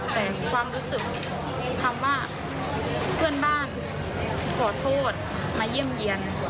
แต่ความรู้สึกคือที่ทุกคนบ้านขอโทษมาเยี่ยมเยียน